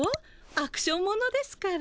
アクションものですから。